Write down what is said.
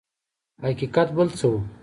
حقیقت بل څه و.